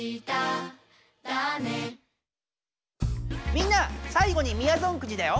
みんな最後にみやぞんくじだよ。